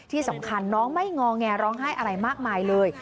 ที่สำคัญน้องไม่งอแงร้องไห้อะไรมากมายเลย